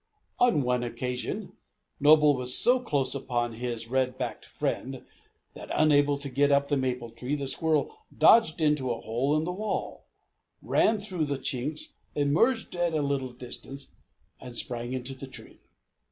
On one occasion Noble was so close upon his red backed friend that, unable to get up the maple tree, the squirrel dodged into a hole in the wall, ran through the chinks, emerged at a little distance, and sprang into the tree.